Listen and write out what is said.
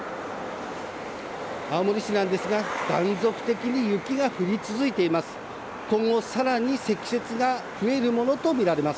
青森市なんですが断続的に雪が降り続いています。